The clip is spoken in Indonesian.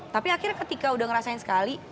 tapi akhirnya ketika udah ngerasain sekali